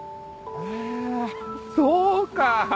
へぇそうか！